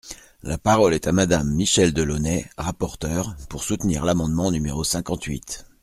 La parole est à Madame Michèle Delaunay, rapporteure, pour soutenir l’amendement numéro cinquante-huit.